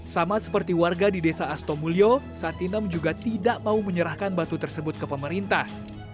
sama seperti warga di desa astomulyo satinem juga tidak mau menyerahkan batu tersebut ke pemerintah